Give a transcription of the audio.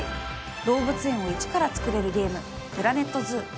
動物園を一から作れるゲーム「ＰｌａｎｅｔＺｏｏ」。